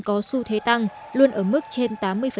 có xu thế tăng luôn ở mức trên tám mươi